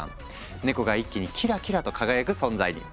ネコが一気にキラキラと輝く存在に！